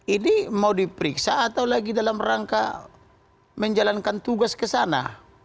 ini mau diperiksa atau lagi dalam rangka menjalankan tugas ke sana